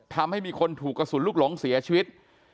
ทำให้มีคนถูกกระสุนลูกหลงเสียชีวิต